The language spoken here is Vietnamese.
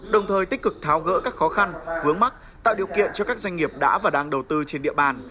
đồng thời tích cực tháo gỡ các khó khăn vướng mắt tạo điều kiện cho các doanh nghiệp đã và đang đầu tư trên địa bàn